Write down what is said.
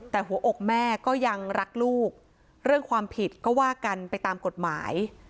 แต่หัวอกแม่ก็ยังรักลูกเรื่องความผิดก็ว่ากันไปตามกฎหมาย